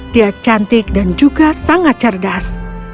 dia cantik dan juga sangat cerdas